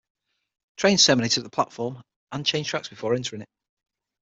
Trains terminated at the platform, and changed tracks before entering it.